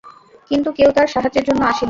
কিন্তু কেউ তার সাহায্যের জন্য আসেনি।